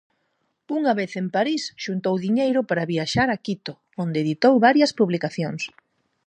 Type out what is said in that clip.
Unha vez en París, xuntou diñeiro para viaxar a quito, onde editou varias publicacións.